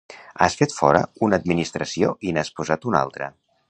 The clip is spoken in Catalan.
Has fet fora una administració i n'has posat una altra.